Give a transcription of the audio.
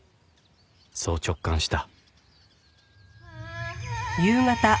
そう直感した